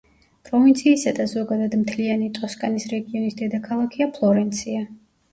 პროვინციისა და ზოგადად მთლიანი ტოსკანის რეგიონის დედაქალაქია ფლორენცია.